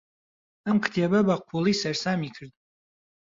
ئەم کتێبە بەقووڵی سەرسامی کردم.